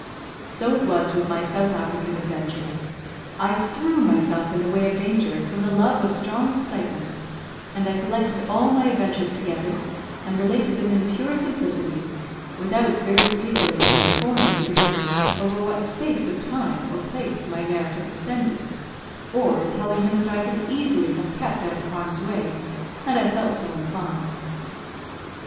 So it was with my South African adventures; I threw myself in the way of danger from the love of strong excitement, and I collected all my adventures together, and related them in pure simplicity, without very particularly informing the reader over what space of time or place my narrative extended, or telling him that I could easily have kept out of harm's way had I felt so inclined.